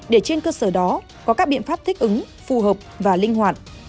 để trên cơ sở đó có các biện pháp thích ứng phù hợp và linh hoạt